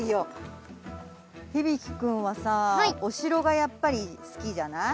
響大君はさお城がやっぱり好きじゃない？